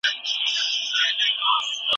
د کوچیانو لپاره ګرځنده ښوونځي وو.